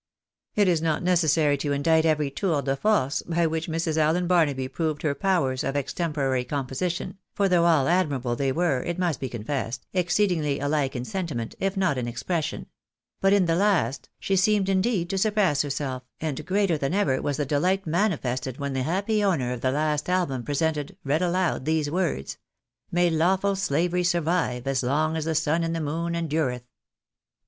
It is not necessary to indite every tour de force by which I\Irs. Allen Barnaby proved her powers of extemporary composi tion, for though all admirable, they were, it must be confessed, ex ceedingly aUke in sentiment, if not in expression ; but in the last, she seemed indeed to surpass herself, and greater than ever was the dehght manifested when the happy owner of the last album pre sented, read aloud these words — May lawful slavery survive, as long as the sun and moon endureth